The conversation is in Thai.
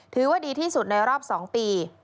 ถือว่าดีที่สุดในรอบ๒ปี